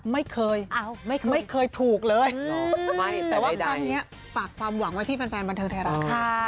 ไม่เคยถูกเลยแต่ว่าตั้งนี้ปากความหวังไว้ที่ฟันแฟนบรรเทิงไทยรัฐค่ะ